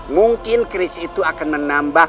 mungkin kris itu akan menambah